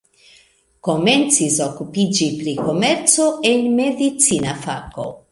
Komencis okupiĝi pri komerco en medicina fako.